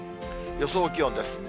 予想気温です。